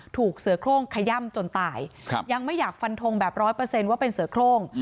ถูกเสือโครงขย่ำจนตายยังไม่อยากฟันทงแบบร้อยเปอร์เซ็นต์ว่าเป็นเสือโครง